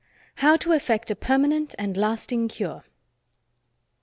How to Effect a Permanent and Lasting Cure.